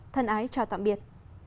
thân ái chào tạm biệt